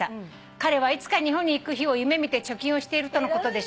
「彼はいつか日本に行く日を夢見て貯金をしているとのことでした」